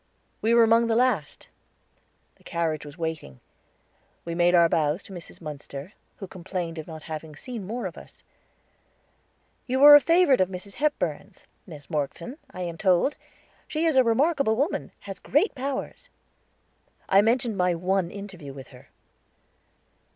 We were among the last; the carriage was waiting. We made our bows to Mrs. Munster, who complained of not having seen more of us. "You are a favorite of Mrs. Hepburn's, Miss Morgeson, I am told. She is a remarkable woman, has great powers." I mentioned my one interview with her.